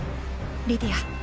リディア。